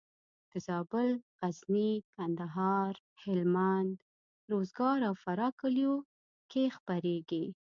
د زابل، غزني، کندهار، هلمند، روزګان او فراه کلیو کې خپرېږي.